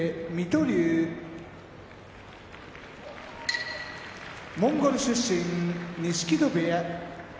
龍モンゴル出身錦戸部屋